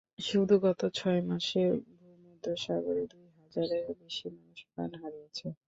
শুধু গত ছয় মাসে ভূমধ্যসাগরে দুই হাজারের বেশি মানুষ প্রাণ হারিয়েছে।